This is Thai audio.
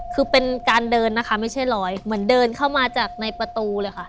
คือเป็นการเดินนะคะไม่ใช่รอยเหมือนเดินเข้ามาจากในประตูเลยค่ะ